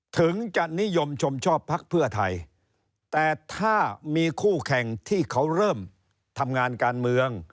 ถึงจะนิยมชมชอบพักเพื่อไทยแต่ถ้ามีคู่แข่งที่เขาเริ่มทำงานการเมือง